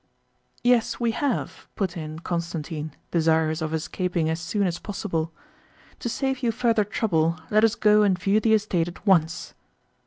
"Yes, we have," put in Constantine, desirous of escaping as soon as possible. "To save you further trouble, let us go and view the estate at once."